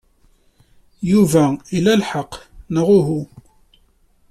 Yuba ila lḥeqq, neɣ uhu?